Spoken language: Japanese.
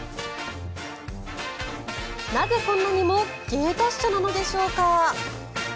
なぜ、こんなにも芸達者なのでしょうか。